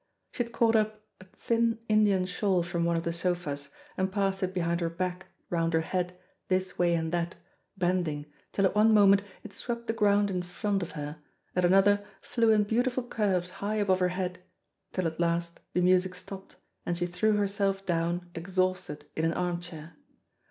She had caught up a thin, Indian shawl from one of the sofas, and passed it behind her back, round her head, this way and that, bending, till at one moment it swept the ground in front of her, at another flew in beautiful curves high above her head, till at last the music stopped, and she threw herself down exhausted in an arm chair.